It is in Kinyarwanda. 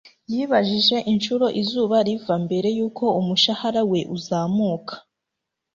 yibajije inshuro izuba riva mbere yuko umushahara we uzamuka